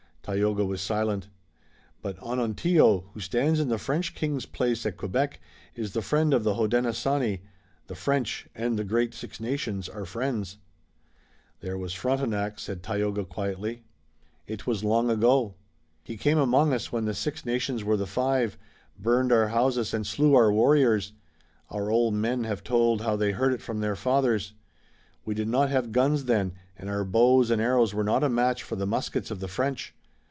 Tayoga was silent. "But Onontio, who stands in the French king's place at Quebec, is the friend of the Hodenosaunee. The French and the great Six Nations are friends." "There was Frontenac," said Tayoga quietly. "It was long ago." "He came among us when the Six Nations were the Five, burned our houses and slew our warriors! Our old men have told how they heard it from their fathers. We did not have guns then, and our bows and arrows were not a match for the muskets of the French.